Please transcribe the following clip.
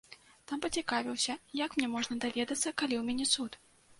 Там пацікавіўся, як мне можна даведацца, калі ў мяне суд?